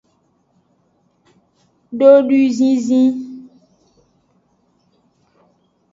Dodwizizi.